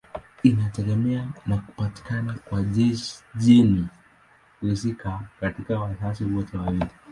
Inategemea na kupatikana kwa jeni husika katika wazazi wote wawili.